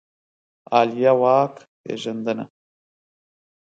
عالیه واک پېژندنه